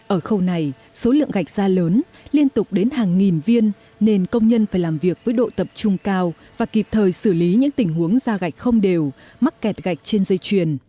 ở khâu này số lượng gạch ra lớn liên tục đến hàng nghìn viên nên công nhân phải làm việc với độ tập trung cao và kịp thời xử lý những tình huống da gạch không đều mắc kẹt gạch trên dây chuyền